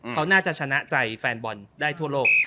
เขาน่าจะชนะใจแฟนบอลได้ทั่วโลก